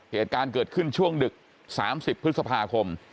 เหตุการณ์เกิดขึ้นช่วงดึก๓๐พฤษภาคม